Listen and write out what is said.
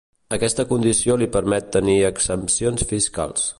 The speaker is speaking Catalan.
Aquesta condició li permet tenir exempcions fiscals.